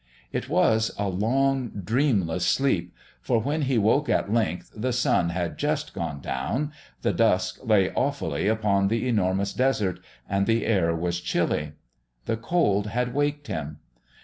It was a long, a dreamless sleep ... for when he woke at length the sun had just gone down, the dusk lay awfully upon the enormous desert, and the air was chilly. The cold had waked him.